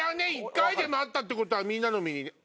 １回でもあったってことはみんなの耳に。